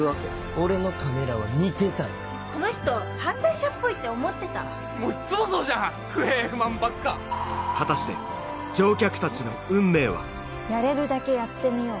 俺のカメラは見てたでこの人犯罪者っぽいって思ってたもういっつもそうじゃん不平不満ばっか果たして「やれるだけやってみよう」